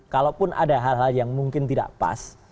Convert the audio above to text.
kalaupun ada hal hal yang mungkin tidak pas